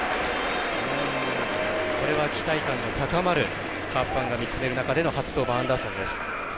これは期待感の高まるカープファンが見つめる中での初登板、アンダーソンです。